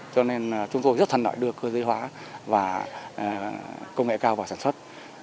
cho nên chúng tôi rất thân đoại đưa cơ giới hóa và công nghệ cao vào sản xuất